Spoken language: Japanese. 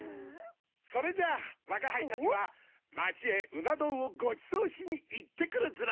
それじゃわがはいたちはまちへうなどんをごちそうしにいってくるヅラ！